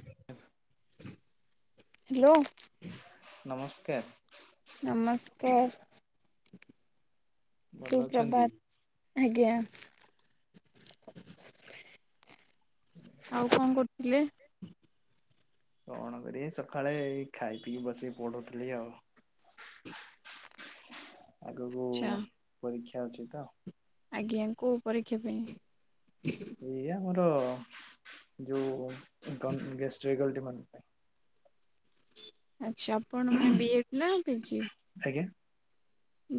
[inaudible] Hello. ନମସ୍କାର। ନମସ୍କାର, ଭଲ ଅଛନ୍ତି? ସୁପ୍ରଭାତ। ଆଜ୍ଞା। ଆଉ କଣ କରୁଥିଲେ? କଣ କରବା ସକାଳେ ଖାଇ ପିଇି ବସିକି ପଢୁଥିଲି ଆଉ। ଆଗକୁ ଆଚ୍ଛା ପରୀକ୍ଷା ଅଛି ତ। ଆଜ୍ଞା କୋଉ ପରୀକ୍ଷା ପାଇଁ? ଏଇ ଆମର ଯୋଉ ଗନ ଗେଷ୍ଟ ଫାକଲଟୀ ମାନଙ୍କ ପାଇଁ। ଆଛା ଆପଣ ମାନେ ବିଏଡ଼୍ ନା ପି ଜି। ଆଜ୍ଞା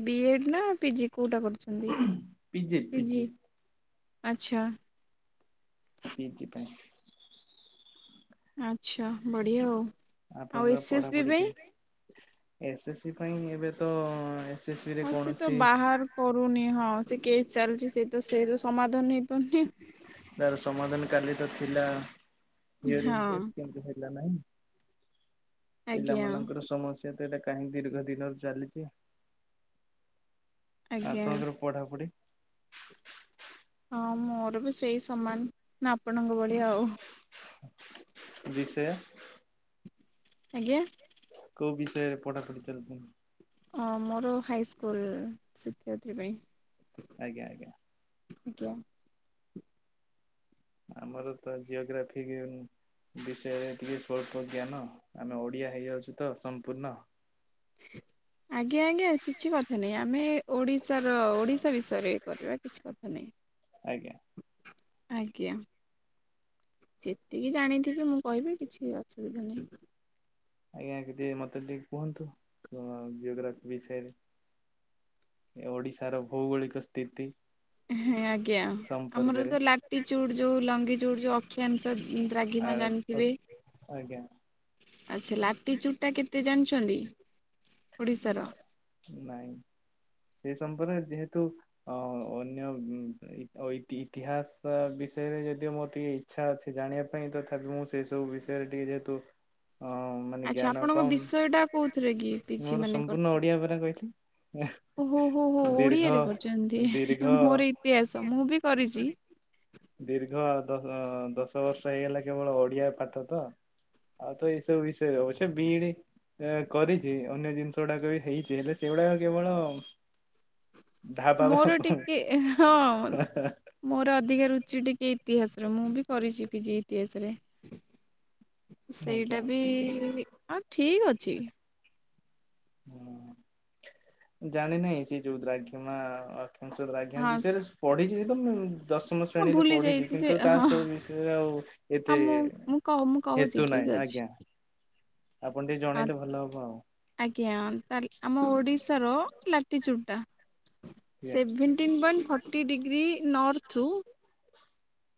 ବିଏଡ଼ ନା ପି ଜି କୋଉଟା କରୁଛନ୍ତି? ପିଜି। ଆଚ୍ଛା। ପି ଜି ପାଇଁ। ଆଚ୍ଛା ବଢ଼ିଆ ଆଉ। ଆଉ ଆପଣଙ୍କର ଏସ୍ ଏସ୍ ବି ପଢାପଢି ପାଇଁ କେମତି? ଏସ୍ ଏସ୍ ସି ପାଇଁ ଏବେ ତ ଏସ୍ ବି ରେ ହଁ ସେ ତ କୌଣସି ବାହାର କରୁନି ହଁ ସେ କେସ୍ ଚାଲିଛି ସେ ତ ସେର ସମାଧାନ ହେଇପାରୁନି। ତାର ସମାଧାନ କାଲି ତ ଥିଲା ହିଅରିଙ୍ଗ ହଁ ଦେ କିନ୍ତୁ ହେଲା ନାହିଁ। ଆଜ୍ଞା ପିଲାମାନାନଙ୍କର ସମସ୍ୟା ତ ଏଇଟା କାହିଁକି ଦୀର୍ଘ ଦିନରୁ ଚାଲିଛି ଆଜ୍ଞା ଆପଣଙ୍କର ପଢ଼ାପଢ଼ି ହଁ ମୋର ବି ସେଇ ସମାନ ଆପଣଙ୍କ ଭଳି ଆଉ। ବିଷୟ ଆଜ୍ଞା କୋଉ ବିଷୟରେ ପଢା ପଢି ଚାଲିଛି? ହଁ ମୋର ହାଇ ସ୍କୁଲ ଶିକ୍ଷୟିତ୍ରୀ ପାଇଁ। ଆଜ୍ଞା ଆଜ୍ଞା ଆଜ୍ଞା ଆମର ତ ଜିଓଗ୍ରାଫି [unintelligible] ବିଷୟରେ ଟିକେ ସ୍ୱଳ୍ପ ଜ୍ଞାନ ଆମେ ଓଡ଼ିଆ ହେଇଯାଉଛୁ ତ ସମ୍ପୂର୍ଣ୍ଣ। ଆଜ୍ଞା ଆଜ୍ଞା କିଛି କଥା ନାଇଁ ଆମେ ଓଡିଶାର ଓଡିଶା ବିସ ରେ କରିବା କିଛି କଥା ନାହିଁ। ଆଜ୍ଞା ଆଜ୍ଞା ଯେତିକି ଜାଣିଥିବେ ମୁଁ କହିବି କିଛି ଅସୁବିଧା ନାହିଁ। ଆଜ୍ଞା ଟିକେ ମତେ ଟିକେ କୁହନ୍ତୁ ଜିଓୋଗ୍ରାଫି ବିଷୟରେ। ଏ ଓଡ଼ିଶାର ଭୌଗୋଳିକ ସ୍ଥିତି। ହଁ ଆଜ୍ଞା। ଆମର ସମ୍ପର୍କରେ ତ ଲାଟି ଚୁଡ଼ ଯୋଉ ଲଙ୍ଗି ଚୁଡ଼ ଯୋଉ ଅକ୍ଷିାଂଶ ଆ ଦ୍ରାଗିମା ଜାଣିଥିବେ? ଆଜ୍ଞା ଆଚ୍ଛା ଲାଟି ଚୁଡ଼ ଟା କେତେ ଜାଣିଛନ୍ତି ଓଡିଶାର? ନାଇଁ ସେ ସମ୍ପର୍କରେ ଯେହେତୁ। ଅ ଅନ୍ୟ ଇତିହାସ ବିଷୟରେ ଯଦିଓ ମୋର ଟିକେ। ଛା ଅଛି ଜାଣିବା ପାଇଁ ତଥାପି ମୁଁ ସେ ସବୁ ବିଷୟରେ ଟିକେ ଯେହେତୁ ମାନେ ଆଚ୍ଛା ଜ୍ଞାନ ଆପଣଙ୍କ କମ ବିଷୟ ଟା କୋଉଥିରେ କି ପିଜି ମୋର ମାନେ ସମ୍ପୂର୍ଣ୍ଣ ଓଡିଆ ପରା କହିଲି ଓ ହୋ ହୋ ହୋ ଦୀର୍ଘ ଓଡିଆରେ କରୁଛନ୍ତି ଦୀର୍ଘ ମୋର ଇତିହାସ ମୁଁ ବି କରିଛି। ଦୀର୍ଘ ଦଶ ଦଶ ବର୍ଷ ହେଇଗଲା କେବଳ ଓଡିଆ ପାଠ ତ ଆଉ ତ ଏଇସବୁ ବିଷୟରେ ଅବଶ୍ୟ ବିଇଡି କରିଛି ଅନ୍ୟ ଜିନିଷ ଗୁଡାକ ବି ହେଇଛି। ସେ ହେଲେ ସେଇଗୁଡା ଆଉ କେବଳ ଢାବା ମୋର ଟିକେ ହଁ। ମୋର ଅଧିକା ରୁଚି ଟିକେ ଇତିହାସରେ ମୁଁ ବି କରିଛି ପିଜି ଇତିହାସରେ। ଆଜ୍ଞା ସେଇଟା ବି ହଁ ଠିକ ଅଛି। ହଁ ଜାଣି ନାଇଁ ସେ [unintelligible] ହ ଆଜ୍ଞା ହଁ ବିଷୟରେ ପଢିଛି ତ ଦଶମ ହଁ ଶ୍ରେଣୀରେ ଭୁଲି ପଢିଛି ଯାଇଥିବେ କିନ୍ତୁ ତା ହଁ। ସବୁ ବିଷୟରେ ଆଉ ହଁ ଏତେ ମୁଁ ମୁଁ କହ ମୁଁ କହୁଛି ହେତୁ ଠିକ ନାହିଁ ଅଛି। ଆଜ୍ଞା। ଆପଣ ଟିକେ ଆ ଜଣେଇଲେ ଭଲ ହବ ଆଉ। ଆଜ୍ଞା ତାଲେ ଆମ ଓଡିଶାର ଲାଟିଚୁଟା ସେଭେଣ୍ଟିନ୍ ପଏଣ୍ଟ ଫର୍ଟି ଡିଗ୍ରୀ ନର୍ଥରୁ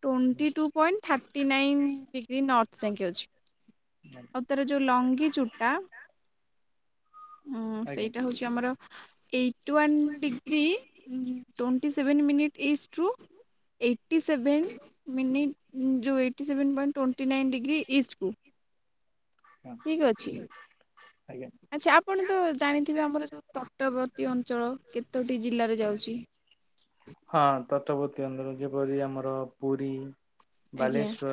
ଟ୍ୱଣ୍ଟି ଆଜ୍ଞା। Two point thirty nine degree north ଯାକେ ଅଛି। ଆଉ [inaudible] ତାର ଯୋଉ ଲଙ୍ଗି ଚୁଟା ଉଁ ସେଇଟା ହଉଛି ଆମର eight one degree twenty seven minute east ରୁ ଏଇଟି ସେଭେନ୍ ମିନିଟ୍ ଯୋଉ ଏଇ ସେଣ୍ଟ ଟଣ୍ଟି ନାଇନ ଡିଗ୍ରୀ ଇଷ୍ଟକୁ। ହଁ ଠିକ ଅଛି। ଆଜ୍ଞା ଆଚ୍ଛା ଆପଣ ତ ଜାଣିଥିବେ ଆମର ତଟବର୍ତ୍ତୀ ଅଞ୍ଚଳ କେତୋଟି ଜିଲ୍ଲାରେ ଯାଉଛି? ହଁ ତଟବର୍ତ୍ତୀ ଅଧର ଯେପରି ଆମର ପୁରୀ ଆଜ୍ଞା ବାଲେଶ୍ୱର,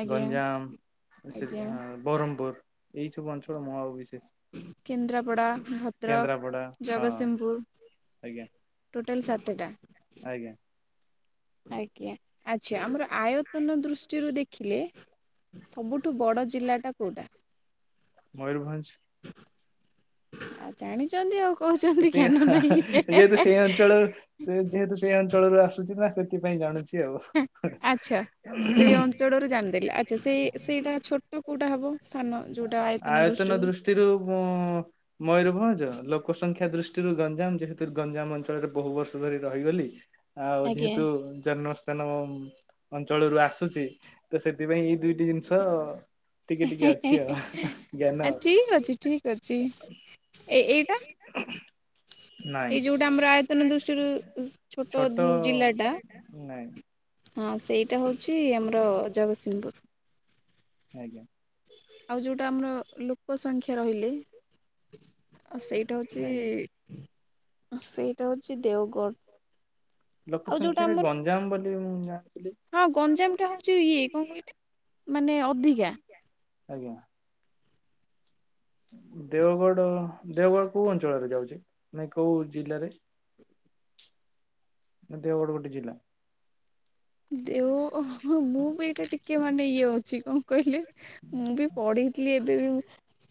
ଆଜ୍ଞା ଗଞ୍ଜାମ ସେ ଆଜ୍ଞା ବ୍ରହ୍ମପୁର ଏଇ ସବୁ ଅଞ୍ଚଳ ମୁ ଆଉ ବିିଶେଷ କେନ୍ଦ୍ରାପଡ଼ା, ଭଦ୍ରକ, ହଁ ଜଗତସିଂପୁର ଆଜ୍ଞା ଟୋଟଲ ସାତେଟା। ଆଜ୍ଞା। ଆଜ୍ଞା ଆଚ୍ଛା ଆମର ଆୟତନ ଦୃଷ୍ଟିରୁ ଦେଖିଲେ ସବୁଠୁ ବଡ ଜିଲ୍ଲା ଟା କୋଉଟା? ମୟୂରଭଞ୍ଜ ଆଉ ଜାଣିଛନ୍ତି ଆଉ କହୁଛନ୍ତି ସେଇଆ ଜ୍ଞାନ ଯେହେତୁ ସେଇ ନାହିଁ। ଅଞ୍ଚଳ ସେ ଯେହେତୁ ସେଇ ଅଞ୍ଚଳରୁ ଆସୁଛି ନା ସେଥିପାଇଁ ଜାଣୁଛି। ଆଉ। ଆଚ୍ଛା ସେଇ ଅଞ୍ଚଳରୁ ଜାଣିଦେଲେ ଆଚ୍ଛା ସେଇ ସେଇଟା ଛୋଟ କଉଟା ହବ ସାନ ଯେଉଟା ଆୟତନ ଦୃଷ୍ଟିରୁ। [unintelligible] ମୟୂରଭଞ୍ଜ ଲୋକ ସଂଖ୍ୟା ଦୃଷ୍ଟିରୁ ଗଞ୍ଜାମ ଯେହେତୁ ଗଞ୍ଜାମ ଅଞ୍ଚଳରେ ବହୁ ବର୍ଷ ଧରି ରହିଗଲି। ଆଉ ଆଜ୍ଞା। ଯେହେତୁ ଜନ୍ମ ଜନ୍ମ ଅଞ୍ଚଳରୁ ଆସୁଛି ତ ସେଥିପାଇଁ ଏଇ ଦୁଇଟି ଜିନିଷ ଟିକେ ଟିକେ ଅଛି। ଆଉ ଜ୍ଞାନ ଆ ଠିକ ଅଛି ଠିକ ଅଛି ଏ ଏଇଟା ନାଇଁ ଏଇ ଯୋଉଟା ଆମର ଆୟତନ ଦୃଷ୍ଟିରୁ ଛୋଟ ଜିଲ୍ଲା ଟା। ନାଇଁ ହଁ ସେଇଟା ହଉଛି ଆମର ଜଗତସିଂହପୁର। ଆଜ୍ଞା। ଆଉ ଯୋଉଟା ଆମର ଲୋକ ସଂଖ୍ୟା ରହିଲେ ସେଇଟା ଆଜ୍ଞା ହଉଛି। ସେଇଟା ହଉଛି ଦେଓଗଡ ଆଉ ଯୋଉଟା ଆମର ଯାମ୍ ବୋଲି ମୁଁ ଜାଣିଥିଲି। ହଁ ଗଞ୍ଜାମ ଟା ହଉଛି ଇଏ କଣ କହିଲେ ମାନେ ଅଧିକା। ଆଜ୍ଞା। ଦେଓଗଡ ଦେଓଗଡ କୋଉ ଅଞ୍ଚଳରେ ଯାଉଛି ମେ କୋଉ ଜିଲ୍ଲାରେ? [inaudible] ଦେଓଗଡ଼ ଗୋଟେ ଜିଲ୍ଲା। ଦେଓ ମୁଁ ବି ଟିକେ ମାନେ ଇଏ ଅଛି କଣ କହିଲେ ମୁଁ ବି ପଢି ଥିଲି ଏବେବି ମୁ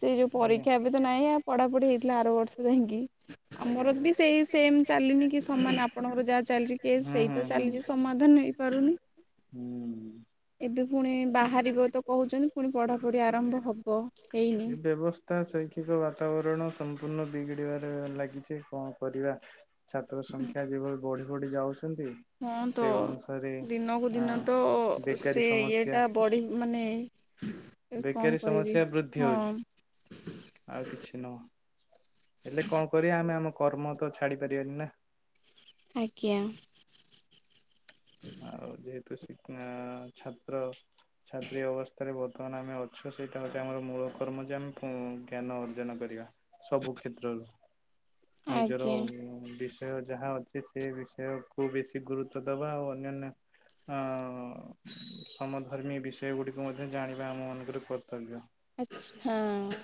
ସେ ଯୋଉ ଆଜ୍ଞା। ପରୀକ୍ଷା ଏବେ ତ ନାହିଁ ଆ ପଢାପଢି ହେଇଥିଲା ଆର ବର୍ଷ ଯାଇକି। ଆଜ୍ଞା ଆମର ଆଜ୍ଞା। ବି ସେଇ ସେମ ଚାଲିନି କି ହୁଁ ସମାନ ଆପଣଙ୍କର ଯାହା ଚାଲିଛି କେସ୍ ସେଇ ହୁଁ ତ ହୁଁ। ଚାଲିଛି ସମାଧାନ ହେଇ ପାରୁନି। ହୁଁ ଏବେ ପୁଣି ବାହାରିବ ତ କହୁଛନ୍ତି ପୁଣି ପଢାପଢି ଆରମ୍ଭ ହ ଏ ବ୍ୟବସ ତା ଶୈକ୍ଷିକ ବାତାବରଣ ସମ୍ପୂର୍ଣ୍ଣ ବିଗିଡିବାରେ ଲାଗିଛି କଣ କରିବା। ଛାତ୍ର ସଂଖ୍ୟା ଯେଭଳି ବଢି ବଢି ଯାଉଛନ୍ତି। ହଁ ତ ସେ ଅନୁସାରେ ଦିନକୁ ଆ ଦିନ ତ ବେକାରୀ ସେ ଇଏ ସମସ୍ୟା ଟା ବଢି ମାନେ କଣ ବେକାରୀ କହିବି ସମସ୍ୟା ବୃଦ୍ଧି ହଁ ହଉଛି। ଆଉ କିଛି ନୁହଁ ହେଲେ କଣ କରିବା ଆମେ ଆମ କର୍ମ ତ ଛାଡି ପାରିବାନି ନା? ଆଜ୍ଞା। ଆଉ ଯେହେତୁ ଶି ଛାତ୍ର ଛାତ୍ରୀ ଅବସ୍ଥାରେ ବ ବର୍ତ୍ତମାନ ଆମେ ଅଛୁ ସେଇଟା ହେଉଛି ଆମର ମୂଳ କର୍ମ ଯେ ଆମେ ପୁ ଜ୍ଞାନ ଅର୍ଜନ କରିବା। ସବୁ କ୍ଷେତ୍ରରୁ। ନିଜର ଆଜ୍ଞା ବିଷୟ ଯାହା ଅଛି ସେ ବିଷୟ କୁ ବେଶୀ ଗୁରୁତ୍ବ ଦବା ଆଉ ଅ ଅନାନ୍ୟା ଅ ସମଧର୍ମୀ ବିଷୟ ଗୁଡିକୁ ମଧ୍ୟ ଜାଣିବା ଆମ ମାନଙ୍କର ର କର୍ତ୍ତବ୍ୟ। ଆଚ୍ଛ ହଁ।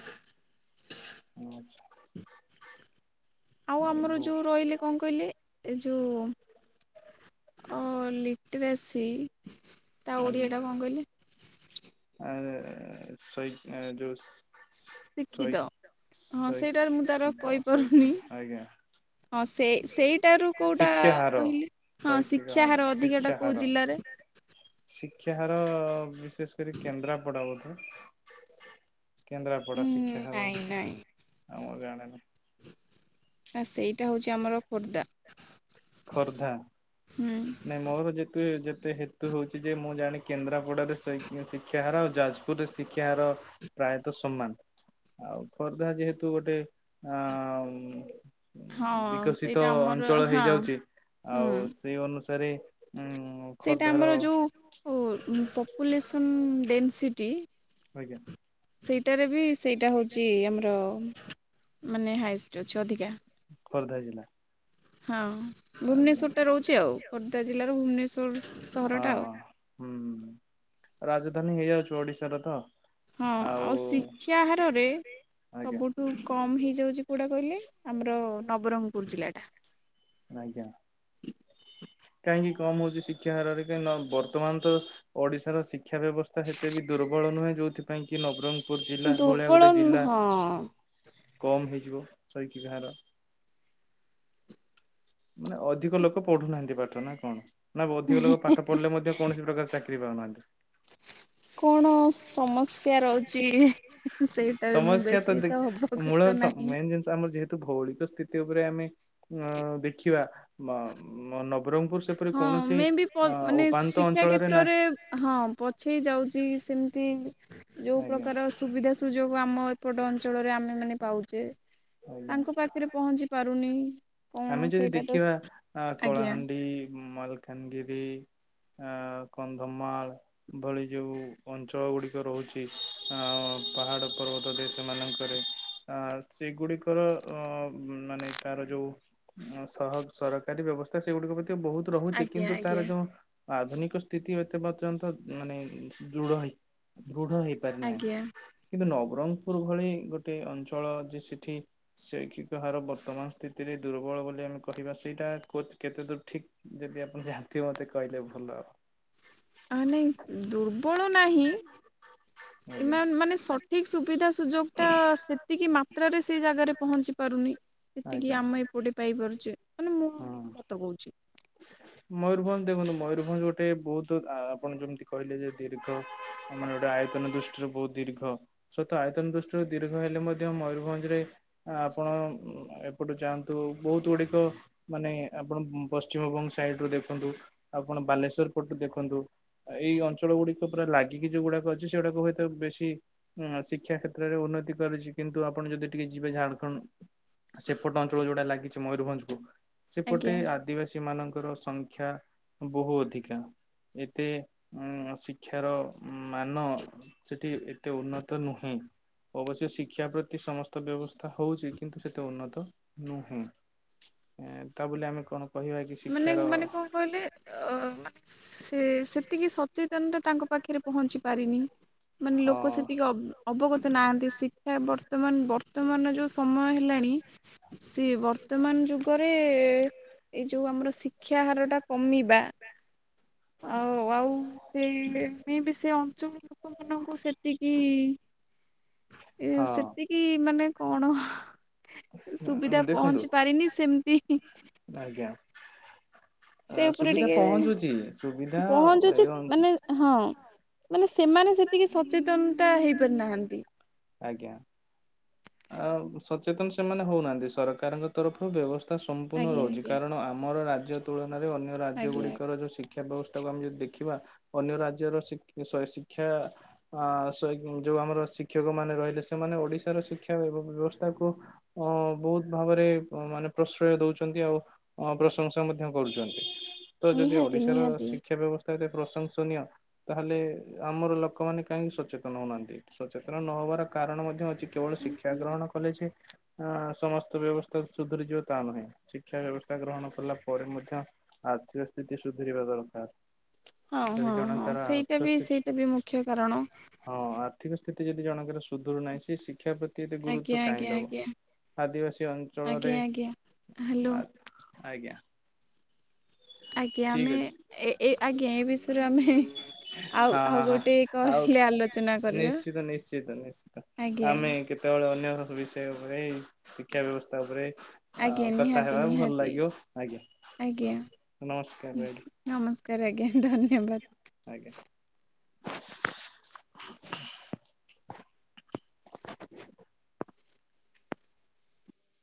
ଆଚ୍ଛା। ଆଉ ଆମର ଯୋଉ ରହିଲେ କଣ କହିଲେ? ଏ ଯୋଉ ଅ ଲିଟ୍ରାସି ତା ଆଜ୍ଞା ଓଡିଆ ଟା କଣ କହିଲେ? ଆ ସଇ ଜୁସ୍ ଶୈ ଶିକ୍ଷିତ ହଁ ସେଇଟା ମୁଁ ତାର ଶୈଖିକ କହିପାରୁନି ଶୈଖକ ଆଜ୍ଞା। ହଁ ସେ ସେଇଟାରୁ କୋଉଟା ଶିକ୍ଷାହାର କହିଲେ ହଁ ଶୈକ୍ଷିକ ଶିକ୍ଷା ହାର ଅଧିକ ଟା ଶିକ୍ଷାହାର କୋଉ ଜିଲ୍ଲାରେ ଶିକ୍ଷା ହାର ବିଶେଷ କରି କେନ୍ଦ୍ରାପଡା ବୋଧେ? ଉଁ କେନ୍ଦ୍ରାପଡ଼ା ଶିକ୍ଷା ହାର ନାଇଁ ଆଉ ମୁ ଜାଣେନା। ଆ ସେଇଟା ହଉଛି ଆମର ଖୋର୍ଦ୍ଧା। ଖୋର୍ଦ୍ଧା ହୁଁ। ନାଇଁ ମୋର ଯେହେତୁ ଏ ଯେତେ ହେତୁ ହେଉଛି। ଯେ ମୁଁ ଜାଣି କେନ୍ଦ୍ରାପଡ଼ାରେ ଶୈ ଶିକ୍ଷାହାରା ଆଉ ଯାଜ ପୁରେ ଶିକ୍ଷାହାର ପ୍ରାୟତଃ ସମାନ। ଆଉ ଖୋର୍ଦ୍ଧା ଯେହେତୁ ଗୋଟେ ଆ ଉଁ ହଁ ବିକଶିତ ସେଇଟା ଆମର ଅଞ୍ଚଳ ହଁ ହେଇଯାଉଛି ହୁଁ ଆଉ ସ ସେ ଅନୁସାରେ ଉଁ ଦେ ସେଇଟା ଆମର ଯୋଉ ଓ ଉଁ ପପୁଲେସନ୍ ଡେନ୍ସିଟି ଆଜ୍ଞା ସେଇଟାରେ ବି ସେଇଟା ହଉଛି ଆମର ହ ମାନେ ହାଇଷ୍ଟ ଅଛି ଅଧିକା ଖୋର୍ଦ୍ଧା ଜିଲ୍ଲା। ହଁ ଆଜ୍ଞା ଭୁବନେଶ୍ୱରଟା ରହୁଛିଆଉ- ଖୋର୍ଦ୍ଧା ଜିଲ୍ଲାର ଭୁବନେଶ୍ୱର ସହରଟା ଆଉ ହଁ ହୁଁ, ରାଜଧାନୀ ହେଇଯାଉଛି ଓଡିଶାର ତ ହଁ ଆଉ ଶିକ୍ଷା ହାରରେ ଆଜ୍ଞା ସବୁଠ ଖୁବ୍ କମ୍ ହେଇଯାଉଛି କେଉଁଟା କହିଲେ। ଆମର ନବରଙ୍ଗପୁର ଜିଲ୍ଲାଟା। ଆଜ୍ଞା। କାହିଁକି କମ ହଉଛି ଶିକ୍ଷା ହାରରେ କାହିଁକିନା ବର୍ତ୍ତମାନ ତ ଓଡିଶାର ଶ୍ଷ ଶିକ୍ଷା ବ୍ୟବସ୍ତା ସେତେ ବି ଦୁର୍ବଳ ନୁହେଁ ଯେହେ ଥି ପାଇଁ କି ନବରଙ୍ଗପୁର ଜିଲ୍ଲା ଭଳିଆ ଦୁର୍ବଳ ଗୋଟେ ଜିଲ୍ଲା ହଁ କମ୍ ହେଇଯିବ ସହିକି ଗାଁର ମାନେ ଅଧିକ ଲୋକ ପଢୁନାହାନ୍ତି ପାଠ ନା କଣ ନା ଅଧିକ ଲୋକ ପାଠ ପଢିଲେ ମଧ୍ୟ କୌଣସି ପ୍ରକାର ଚାକିରି ପାଉନାହାନ୍ତି। [inaudible] କଣ ସମସ୍ୟା ରହୁଛି ସେଇଟାରେ ମୁଁ ସମସ୍ୟା ବେଶୀ ଦେ ତ ହବ ମୂଳ ଗଛ ମେନ୍ ଜିନିଷ ଆମର ଯେହେତୁ ଭୌଳିକ ସ୍ଥିତି ଉପରେ ଆମେ ଦେଖିବା ନ ନବରଙ୍ଗପୁର ସେପରି ହଁ କୌଣସି ମେ ବି ଅ ପ୍ ମାନେ ଉପାନ୍ତ ଶିକ୍ଷା ଅଞ୍ଚଳରେ କ୍ଷେତ୍ରରେ ନାହିଁ ହଁ ପଛେଇ ଯାଉଛି ସେମିତି ଯୋଉ ଆଜ୍ଞା ପ୍ରକାର ସୁବିଧା ସୁଯୋଗ ଆମ ଏପଟ ଅଞ୍ଚଳରେ ଆମେ ମାନେ ପାଉଛେ ଆଜ୍ଞା। ତାଙ୍କ ପାଖରେ ପହଞ୍ଚି ପାରୁନି କଣ ଆମେ ଯଦି ସେଇଟା ତ ଦେଖିବା ଆ ଆଜ୍ଞା। କଳାହାଣ୍ଡି, ମାଲକାନଗିରି ଆ କନ୍ଧମାଳ ଭଳି ଯୋଉ ଅଞ୍ଚଳ ଗୁଡିକ ରହୁଛି ଆ ପାହାଡ଼ ପର୍ବତରେ ସେମାନଙ୍କରେ ଆ ସେଗୁଡିକର ଅ ମାନେ ତାର ଯୋଉ ସହ ସରକାରୀ ବ୍ୟବସ୍ଥା ସେଗୁଡିକ ପ୍ରତି ବହୁତ ରହୁଛି। ଆଜ୍ଞା କିନ୍ତୁ ତାର ଆଜ୍ଞା ଯୋଉ ଆଧୁନିକ ସ୍ଥିତି ଏତେ ପର୍ଯ୍ୟନ୍ତ ମାନେ ଦୃଢ ହେଇ ଦୃଢ ହେଇ। ଆଜ୍ଞା। [unintelligible] କିନ୍ତୁ ନବରଙ୍ଗପୁର ଭଳି ଗୋଟେ ଅଞ୍ଚଳ ଯେ ସେଠି ଶୈକ୍ଷିକ ହାର ବର୍ତ୍ତମାନ ସ୍ଥିତିରେ ଦୁର୍ବଳ ବୋଲି ଆମେ କହିବା ସେଇଟା କେତେ ଦୂର ଠିକ୍ ଯଦି ଆପଣ ଜାଣିଥିବେ ମତେ କହିଲେ ଭଲ ଆଉ ଆ ନାଇଁ ଦୁ ଦୁର୍ବଳ ନାହିଁଏ ଆଜ୍ଞା ମାନେ ମାନେ ଠିକ ସୁବିଧା ସୁଯୋଗ ଟା ସେତିକି ମାତ୍ରାରେ ସେଇ ଜାଗାରେ ପହଞ୍ଚି ପାରୁନି। ସେତିକି ଆଜ୍ଞା ଆମେ ଏପଟେ ପାଇପାରୁଛେ ମାନେ ମୁଁ ହଁ ସତ କହୁଛି। ମୟୂରଭଞ୍ଜ ଦେଖନ୍ତୁ ମୟୂରଭଞ୍ଜ ଗୋଟେ ବହୁତ ଆ ଆପଣ ଯେମିତି କହିଲେ ଯେ ଦୀର୍ଘ ମାନେ ଗୋଟେ ଆୟତନ ଦୃଷ୍ଟି ୃ ବହୁତ ଦୀର୍ଘ ସତ ଆୟତନ ଦୃଷ୍ଟିରୁ ଦୀର୍ଘ ହେଲେ ମଧ୍ୟ ମୟୂରଭଞ୍ଜରେ ଆପଣ ଏପଟୁ ଯାଆନ୍ତୁ ବହୁତ ଗୁଡିକ ମାନେ ଆପଣ ପଶ୍ଚିମବଙ୍ଗ ସାଇଡ ରୁ ଦେଖନ୍ତୁ ଆପଣ ବାଲେଶ୍ଵର ପଟରୁ ଦେଖନ୍ତୁ। ଏଇ ଅଞ୍ଚଳ ଗୁଡିକ ପୁରା ଲାଗିକି ଯୋଉଗୁଡାକ ଅଛି ସେଗୁଡାକୁୁଏତ ବେଶୀ ହ ଶିକ୍ଷା କ୍ଷେତ୍ରରେ ଉନ୍ନତି କରିଛି କିନ୍ତୁ ଆପଣ ଯଦି ଟିକେ ଯିବେ ଝାଡଖଣ୍ଡ ସେପଟ ଅଞ୍ଚଳ ଯୋଉଟା ଲାଗିଛି ମୟୂରଭଞ୍ଜ କୁ ସେପଟେ ଆଜ୍ଞା। ଆ ଆଦିବାସୀ ମାନଙ୍କର ସଂଖ୍ୟା ବହୁ ଅଧିକା। ଏବେ ଉ ଶିକ୍ଷାର ମାନ ସେଠି ଏତେ ଉନ୍ନତ ନୁହେଁ। ଅବଶ୍ୟ ଶିକ୍ଷା ପ୍ରତି ସମସ୍ତ ବ୍ୟବସ୍ଥା ହଉଛି କିନ୍ତୁ ସେତେ ଉନ୍ନତ ନୁହେଁ। ଉ ତା ବୋଲି ଆମେ କଣ କହିବା କି? ମାନେ ଶିକ୍ଷାର ମାନେ କଣ କହିଲେ? ଅ ସେ ସେତିକି ସଚେତନତା ତାଙ୍କ ପାଖରେ ପହଞ୍ଚିପାରିନି। ମାନେ ହଁ ଲୋକ ସେତିକି ଅବ ଅବଗତ ନାହାନ୍ତି। ଶିକ୍ଷା ବର୍ତ୍ତମାନ ବର୍ତ୍ତମାନର ଯୋଉ ସମୟ ହେଲାଣି। ସିଏ ବର୍ତ୍ତମାନ ଯୁଗରେ ଏ ଏଇ ଯୋଉ ଆମର ଶିକ୍ଷାହାରାରଟା କମିବା ଆ ଆଉ ଆଉ ସେଇ ଳେ ବି ସେ ଅଞ୍ଚୁଳ ଲୋକମାନାନଙ୍କୁ ସେତିକି ଏ ହଁ ସେତିକି ମାନେ କଣ? ସୁବିଧା ଦେଖନ୍ତୁ ପହଞ୍ଚି ପାରିନି ସେମତି। ଆଜ୍ଞା। ସେ ଆ ଉପରେ ସୁବିଧା ଟିକେ ପହଞ୍ଚୁଚି ସୁବିଧା ପହଞ୍ଚୁଛି ଏଇଅନ। ମାନେ ହଁ ମାନେ ସେମାନେ ସେତିକି ସଚେତନତା ହେଇପାରିନାହାଁନ୍ତି। ଆଜ୍ଞା। ଆ ସଚେତନ ସେମାନେ ହୋଉନାହାନ୍ତି ସରକାରଙ୍କ ତରଫରୁ ବ୍ୟବସ୍ ସ୍ଥା ସମ୍ପୂର୍ଣ ଆଜ୍ଞା ହୋଉଚି। ଆଜ୍ଞା କାରଣ ଆମର ରାଜ୍ୟ ତୁଳନାରେ ଅନ୍ୟ ଆଜ୍ଞା ରାଜ୍ୟଗୁଡିକର ଯୋଉ ଶିକ କ୍ଷା ବ୍ୟବସ୍ଥାକୁ ଆମେ ଯଦି ଦେଖିବା ଅନ୍ୟ ରାଜ୍ୟର ଶି ସରି ଶିକ୍ଷା ଆ ଶଇ ଯୋଉ ଆମର ଶିକ୍ଷକ ମାନେ ରହିଲେ। ସେମାନେ ଓଡିଶାର ଶିକ୍ଷା ବ୍ୟବ ବ୍ୟବସ୍ଥାକୁ ଅଁ ବହୁତ ଭାବରେ ମାନେ ପ୍ରଶ୍ରୟ ଦୋଉଚନ୍ତି ଆଉ। ଅ ପ୍ରଶଂସା ମଧ୍ୟ କରୁଛନ୍ତି। ତ ଯଦି ନିହାତି ଓଡିଶାର ନିହାତି ଶିକ୍ଷା ବ୍ୟବସ୍ ସ୍ଥା ଏତେ ପ୍ରଶଂସନୀୟ। ତାହେଲେ ଆମର ଲୋକମାନେ କାହିଁକି ସଚେତନ ହୋଉନାହାନ୍ତି। ସଚେତନ ନ ହବାର କାରଣ ମଧ୍ୟ ଅଛି। କେବଳ ଶିକ୍ଷା ଗ୍ରହଣ କଲେ ଯେ ଆ ସମସ୍ତ ବ୍ୟବସ୍ଥା ସୁଧରିଯିବ ତା ନୁହେଁ। ଶିକ୍ଷା ବ୍ୟବସ୍ଥା ଗ୍ରହଣ କଲା ପରେ ମଧ୍ୟ ଆର୍ଥିକ ସ୍ଥିତି ସୁଧୁରିବା ଦରକାର। ହଁ ଯଦି ହଁ ହଁ ଜଣଙ୍କର ଆର୍ଥିକ ସେଇଟା ବି ସ୍ଥିତି ସେଇଟା ବି ମୁଖ୍ୟ କାରଣ। ହଁ ଆର୍ଥିକ ସ୍ଥିତି ଯଦି ଜଣଙ୍କର ସୁଧୁରୁ ନାହିଁ ସେ ଶିକ୍ଷା ପ୍ରତ ତି ଏତେ ଆଜ୍ଞା ଗୁରୁତ୍ବ କାଇଁ ଆଜ୍ଞା ଦବ। ଆଜ୍ଞା ଆଦିବାସୀ ଅଞ୍ଚଳରେ ଆଜ୍ଞା ଆଜ୍ଞା ହ୍ୟାଲୋ ଆଦ ଆଜ୍ଞା। ଆଜ୍ଞା ଠିକ ଆମେ ଅଛି ଏ ଏ ଆଜ୍ଞା ଏ ବିଷୟରେ ଆମେ ଆଉ ହଁ ଆଉ ହଁ ହଁ ଗୋଟେ କଲ ରେ ଆଲୋଚନା କରିବା। ତ ନିଶିତ ଆଜ୍ଞା ଆମେ କେତୋବେଳେ ଅନ୍ୟର ବିଷୟ ଉପରେ, ଶିକ୍ଷା ବ୍ୟବସ୍ଥା ଉପରେ ଆଜ୍ଞା ଆଉ କଥା ନିହାତି ହେବା ଭଲ ନିହାତି ଲାଗିବ। ଆଜ୍ଞା। ଆଜ୍ଞା। ନମସ୍କାର ଭାଇ। ନମସ୍କାର ଆଜ୍ଞା ଧନ୍ୟବାଦ। ଆଜ୍ଞା।